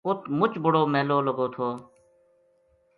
اُت مچ بڑو میلو لگو تھو